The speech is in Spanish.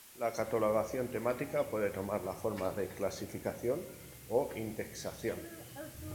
La catalogación temática puede tomar la forma de clasificación o indexación.